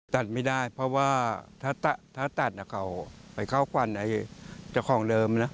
ตัดไม่ได้เพราะว่าถ้าตัดเขาไปเข้าควันไอ้เจ้าของเดิมนะ